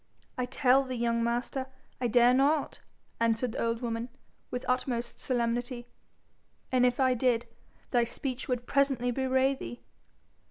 'I tell thee, young master, I dare not,' answered the old woman, with utmost solemnity. 'And if I did, thy speech would presently bewray thee.'